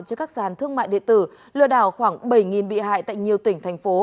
cho các sàn thương mại điện tử lừa đảo khoảng bảy bị hại tại nhiều tỉnh thành phố